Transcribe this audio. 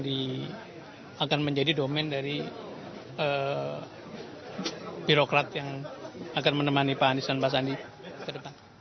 itu akan menjadi domain dari birokrat yang akan menemani pak andi san pasandi ke depan